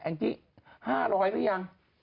แอมจิห้าร้อยหรือยัง